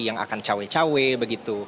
yang akan cawe cawe begitu